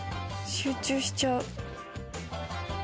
集中しちゃう。